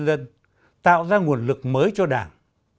đảng đã tạo ra nguồn lực mới cho đảng